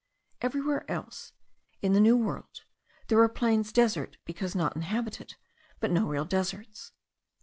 Everywhere else, in the New World, there are plains desert because not inhabited, but no real deserts.